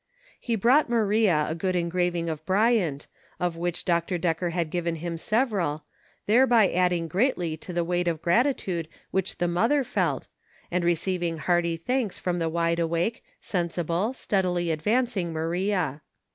He brought Maria a good engraving of Bryant, of which Dr. Decker had given him several, thereby adding greatly to the weight of gratitude which the mother felt, and receiving hearty thanks from the wide awake, sensible, steadily advancing Maria.